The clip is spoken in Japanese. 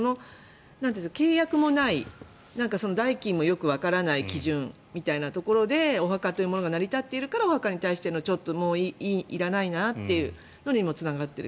契約もない、代金もよくわからない基準みたいなところでお墓というものが成り立っているからお墓に対してもういらないなというのにもつながっている。